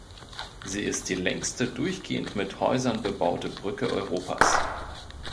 Sie ist die längste durchgehend mit Häusern bebaute Brücke Europas.